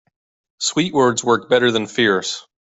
Sweet words work better than fierce.